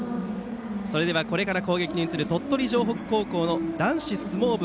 それでは、これから攻撃に移る鳥取城北高校の男子相撲部